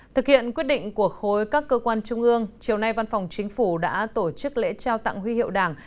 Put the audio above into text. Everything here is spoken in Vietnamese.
thực hiện quyết định của khối các cơ quan trung ương chiều nay văn phòng chính phủ đã tổ chức lễ trao tặng huy hiệu đảng